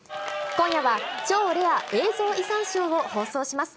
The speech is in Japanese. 今夜は、超レア映像遺産ショーを放送します。